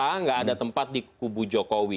tidak ada tempat di kubu jokowi